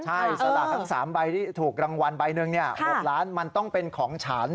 ใช่สลากทั้ง๓ใบที่ถูกรางวัลใบหนึ่ง๖ล้านมันต้องเป็นของฉัน